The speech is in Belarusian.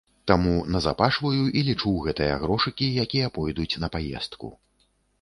Таму назапашваю і лічу гэтыя грошыкі, якія пойдуць на паездку.